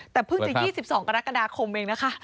แต่เพิ่งจะ๒๒กรกฎาคมเองนะคะ